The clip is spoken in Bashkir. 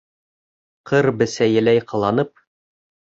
Ҡыр бесәйеләй ҡыланып...